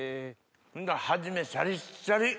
初めシャリッシャリ！